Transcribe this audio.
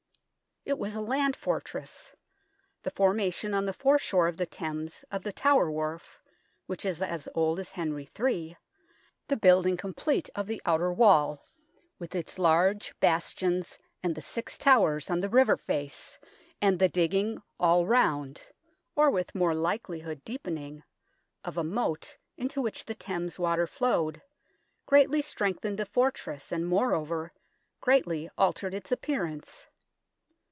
It was a land fortress. The formation on the foreshore of the Thames of the Tower Wharf, which is as old as Henry III, the building complete of the outer wall, with its large bastions and the six towers on the river face, and the digging all round or with more likelihood deepening of a moat into which the Thames water flowed, greatly strengthened the fortress, and, moreover, greatly altered its appearance.